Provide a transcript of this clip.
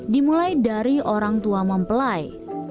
dimulai dari orang tua mempelai